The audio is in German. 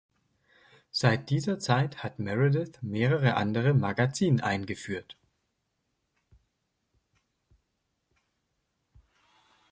Seit dieser Zeit hat Meredith mehrere andere Magazin eingeführt.